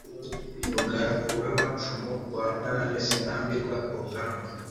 Rugaraguramacumu rwa Ngarambe, sindambirwa ku rugamba